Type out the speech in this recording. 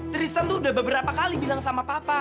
tristan tuh udah beberapa kali bilang sama papa